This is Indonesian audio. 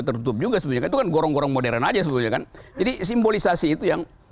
tertutup juga sebenarnya itu kan gorong gorong modern aja sebenarnya kan jadi simbolisasi itu yang